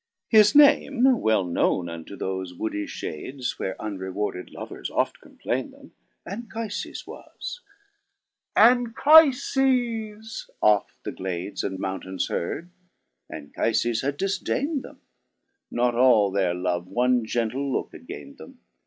7 His name (well knowne unto thofe woody (hades. Where unrewarded lovers oft complaine them,) Anchifes was ; Anchifes oft the glades And mountains heard, Anchifes had difdain'd them ; Not all their love one gentle looke had gain'd them.